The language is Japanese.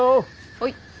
はい。